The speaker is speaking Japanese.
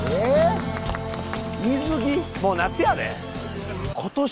もう夏やで。